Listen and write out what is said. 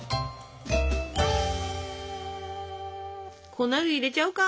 粉類入れちゃうか？